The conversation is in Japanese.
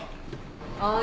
はい。